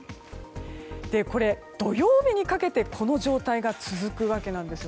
土曜日にかけてこの状態が続くわけなんです。